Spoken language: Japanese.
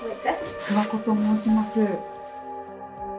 桑子と申します。